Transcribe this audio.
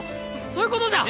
そういうことじゃ。